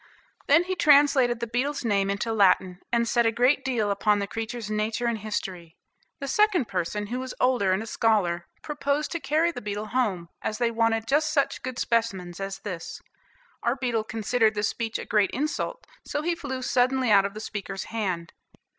Then he translated the beetle's name into Latin, and said a great deal upon the creature's nature and history. The second person, who was older and a scholar, proposed to carry the beetle home, as they wanted just such good specimens as this. Our beetle considered this speech a great insult, so he flew suddenly out of the speaker's hand.